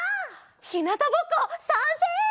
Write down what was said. ひなたぼっこさんせい！